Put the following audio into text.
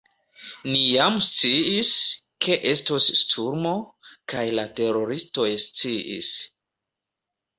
Ni jam sciis, ke estos sturmo, kaj la teroristoj sciis.